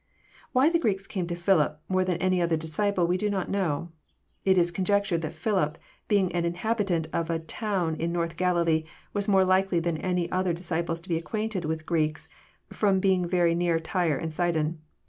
'] Why the Greeks came to Philip more than any other disciple we do not know. It is conjectured that Philip, beiug an inhabitant of a town in North Galilee, was more likely than the other disciples to be acquainted with Greeks, from being near Tyre and Sidon.